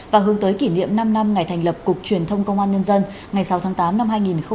và hướng tới kỷ niệm năm năm ngày thành lập cục truyền thông công an nhân dân ngày sáu tháng tám năm hai nghìn hai mươi